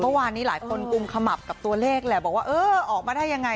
เมื่อวานนี้หลายคนกุมขมับกับตัวเลขแหละบอกว่าเออออกมาได้ยังไง